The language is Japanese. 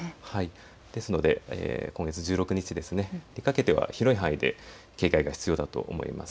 ですので、今月１６日にかけては広い範囲で警戒が必要だと思います。